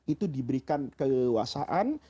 itu diberikan kelewasaan